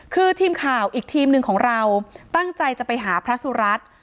คือทีมข่าวอีกทีมหนึ่งของเราตั้งใจจะไปหาพระสุรัตน์